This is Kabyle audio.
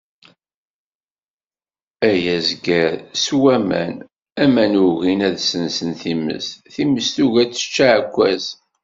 Ay azger sew aman, aman ugin ad sensen times, times tugi ad tečč aɛekkaz.